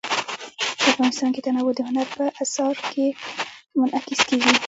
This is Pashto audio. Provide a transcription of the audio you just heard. افغانستان کې تنوع د هنر په اثار کې منعکس کېږي.